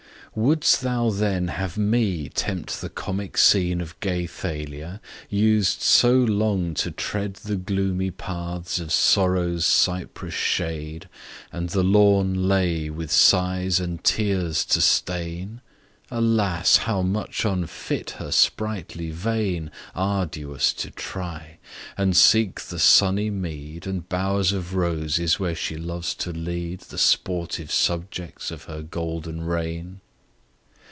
WOULD'ST thou then have me tempt the comic scene Of gay Thalia? used so long to tread The gloomy paths of sorrow's cypress shade; And the lorn lay with sighs and tears to stain? Alas! how much unfit her sprightly vein, Arduous to try! and seek the sunny mead, And bowers of roses, where she loves to lead The sportive subjects of her golden reign!